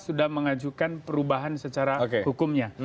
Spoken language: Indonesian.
sudah mengajukan perubahan secara hukumnya